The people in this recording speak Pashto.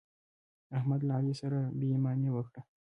احمد له علي سره بې ايماني وکړه.